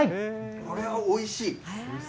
これはおいしい！